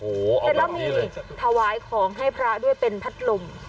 เสร็จแล้วมีถวายของให้พระด้วยเป็นพัดลม